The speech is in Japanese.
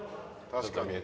確かに。